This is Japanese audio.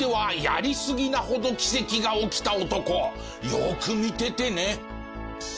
よく見ててね。